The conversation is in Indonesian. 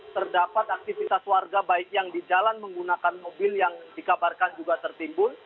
terdapat aktivitas warga baik yang di jalan menggunakan mobil yang dikabarkan juga tertimbun